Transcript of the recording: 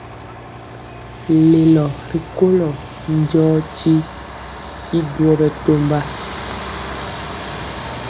Lelo rikolo njɔɔtyi y duo bɛtɔmba.